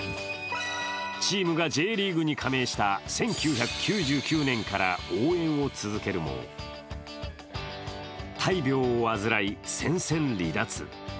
チームがＪリーグに加盟した１９９９年から応援を続けるも、大病を患い、戦線離脱。